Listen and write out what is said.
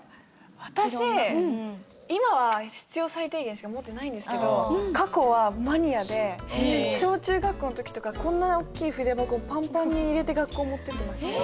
私今は必要最低限しか持ってないんですけど過去はマニアで小中学校の時とかこんな大きい筆箱パンパンに入れて学校持ってってましたね。